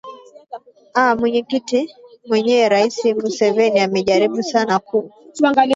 a mwenyekiti mwenyewe rais museveni amejaribu sana kuu